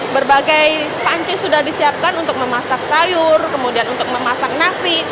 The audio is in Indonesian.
berbagai panci sudah disiapkan untuk memasak sayur kemudian untuk memasak nasi